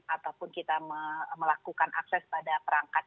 ataupun kita melakukan akses pada perangkat